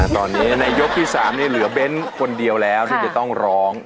ตอนนี้ในยกที่๓เหลือเบ้นคนเดียวแล้วที่จะต้องร้อง